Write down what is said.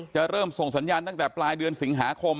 เริ่มส่งสัญญาณตั้งแต่ปลายเดือนสิงหาคม